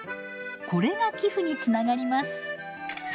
これが寄付につながります。